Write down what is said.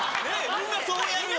みんなそうやるよ。